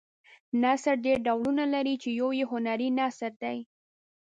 نثر ډېر ډولونه لري چې یو یې هنري نثر دی.